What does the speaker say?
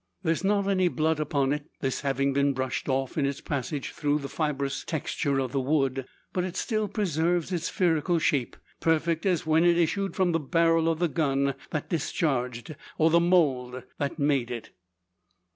There is not any blood upon it, this having been brushed off in its passage through the fibrous texture of the wood. But it still preserves its spherical shape, perfect as when it issued from the barrel of the gun that discharged, or the mould that made it.